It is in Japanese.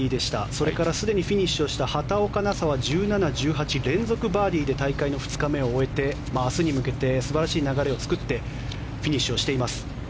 それからすでにフィニッシュをした畑岡奈紗は１７、１８、連続バーディーで大会の２日目を終えて明日に向けて素晴らしい流れを作ってフィニッシュしています。